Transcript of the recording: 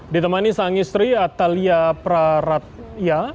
ditemani sang istri atalia praratya